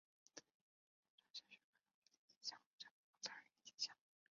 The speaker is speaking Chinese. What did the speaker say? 擅长诠释各种父亲形象和政府工作人员形象。